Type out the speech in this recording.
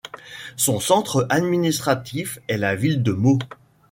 Son centre administratif est la ville de Mau.